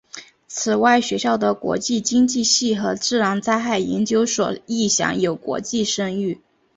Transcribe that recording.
此外学校的国际经济系和自然灾害研究所亦享有国际声誉。